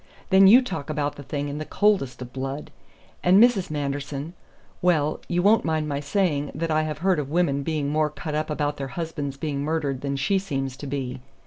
Then you talk about the thing in the coldest of blood. And Mrs. Manderson well, you won't mind my saying that I have heard of women being more cut up about their husbands being murdered than she seems to be.